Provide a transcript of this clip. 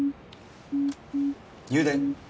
入電。